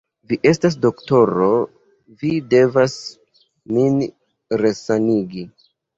Vi estas doktoro, vi devas min resanigi.